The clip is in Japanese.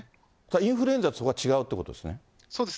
インフルエンザとそこは違うということですね。